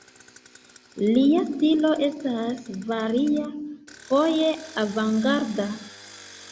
Lia stilo estas varia, foje avangarda.